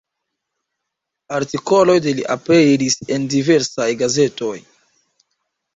Artikoloj de li aperis en diversaj gazetoj.